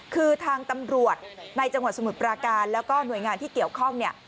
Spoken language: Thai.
คือทางตำรวจในจังหวัดสมุทรปราการแล้วก็หน่วยงานที่เกี่ยวข้องเนี่ย